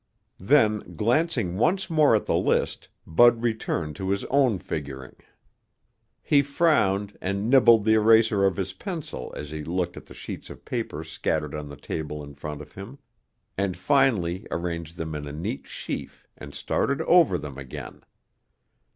Then glancing once more at the list, Bud returned to his own figuring. He frowned and nibbled the eraser of his pencil as he looked at the sheets of paper scattered on the table in front of him, and finally arranged them in a neat sheaf and started over them again.